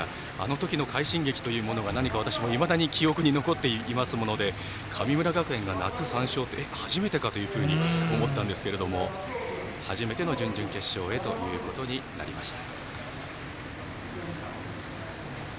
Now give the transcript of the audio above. あの時の快進撃というものが私も記憶に残っておりまして神村学園が夏３勝って初めてなのかって思ったんですが初めての準々決勝へということになりました。